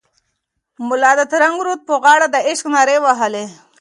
ملکیار د ترنګ رود په غاړه د عشق نارې وهي.